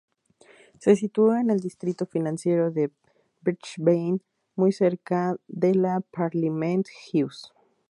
Se sitúa en el distrito financiero de Brisbane, muy cerca de la Parliament House.